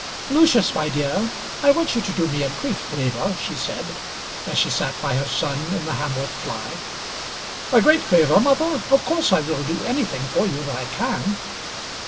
"Lucius, my dear, I want you to do me a great favour," she said as she sat by her son in the Hamworth fly. "A great favour, mother! of course I will do anything for you that I can."